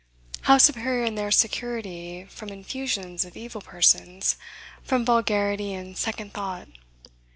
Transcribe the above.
How superior in their security from infusions of evil persons, from vulgarity and second thought!